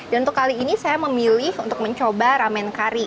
dan untuk kali ini saya memilih untuk mencoba ramen kari